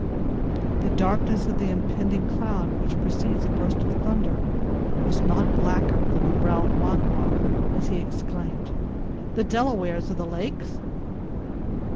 The darkness of the impending cloud which precedes a burst of thunder was not blacker than the brow of Magua as he exclaimed: "The Delawares of the Lakes!"